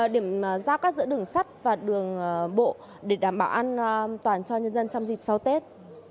điểm giáp cắt giữa đường sắt và đường bộ để đảm bảo an toàn cho nhân dân trong dịp sau tết